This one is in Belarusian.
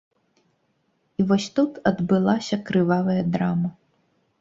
І вось тут адбылася крывавая драма.